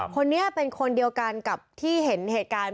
คนนี้เป็นคนเดียวกันกับที่เห็นเหตุการณ์